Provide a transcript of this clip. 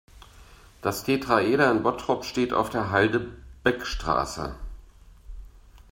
Das Tetraeder in Bottrop steht auf der Halde Beckstraße.